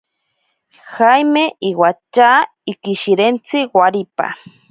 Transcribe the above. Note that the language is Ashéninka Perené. Jaime iwatya ikishirentsi waripa.